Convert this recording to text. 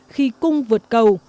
khi cung vượt cầu